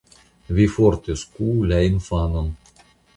Vi forte skuu la infanon.